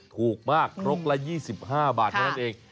ถูกมากครบละ๒๕บาทนั่นเอง